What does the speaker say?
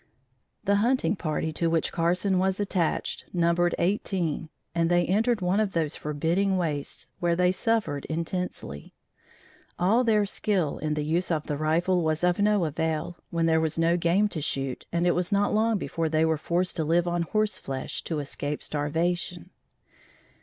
The hunting party to which Carson was attached numbered eighteen, and they entered one of those forbidding wastes, where they suffered intensely. All their skill in the use of the rifle was of no avail, when there was no game to shoot and it was not long before they were forced to live on horse flesh to escape starvation.